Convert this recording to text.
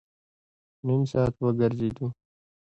نیم ساعت وګرځېدو.